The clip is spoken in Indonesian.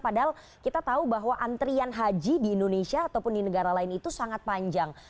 padahal kita tahu bahwa antrian haji di indonesia ataupun di negara lain itu sangat panjang